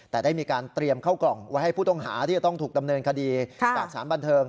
แต่ได้มีการเตรียมเข้ากล่องไว้ให้ผู้ต้องหาที่จะต้องถูกดำเนินคดีจากสารบันเทิง